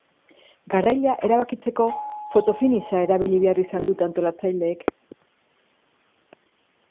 Garailea erabakitzeko photo-finisha erabili behar izan dute antolatzaileek.